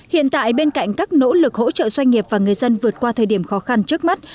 hiện tại bên cạnh các nỗ lực hỗ trợ doanh nghiệp và người dân vượt qua thời điểm khó khăn trước mắt